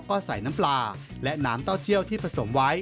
ก็ใส่น้ำปลาและน้ำเต้าเจี่ยวที่ผสมไว้